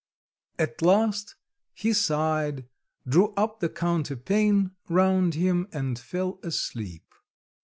At last he sighed, drew up the counterpane round him and fell asleep.